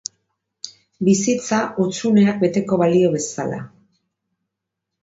Bizitza, hutsuneak beteko balio bezala.